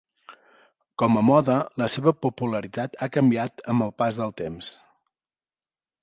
Com a moda, la seva popularitat ha canviat amb el pas del temps.